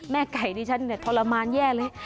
แม่ไก่นี่ฉันเนี่ยทรมานแย่เลย